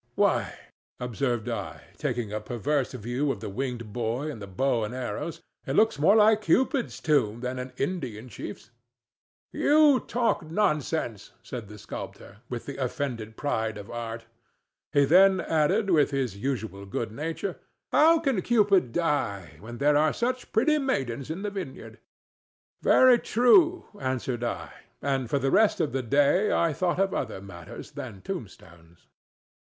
"Why," observed I, taking a perverse view of the winged boy and the bow and arrows, "it looks more like Cupid's tomb than an Indian chief's." "You talk nonsense," said the sculptor, with the offended pride of art. He then added with his usual good nature, "How can Cupid die when there are such pretty maidens in the Vineyard?" "Very true," answered I; and for the rest of the day I thought of other matters than tombstones.